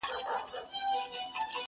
له عالمه سره غم، نه غم.